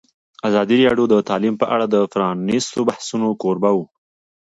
ازادي راډیو د تعلیم په اړه د پرانیستو بحثونو کوربه وه.